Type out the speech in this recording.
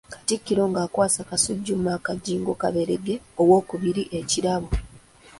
Katikkiro ng'akwasa Kasujju Mark Jjingo Kaberenge owookubiri ekirabo.